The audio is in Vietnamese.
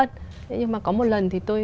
nhưng mà có một lần thì tôi